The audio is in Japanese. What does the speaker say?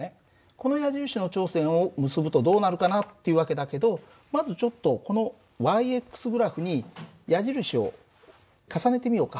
この矢印の頂点を結ぶとどうなるかなっていう訳だけどまずちょっとこの−グラフに矢印を重ねてみようか。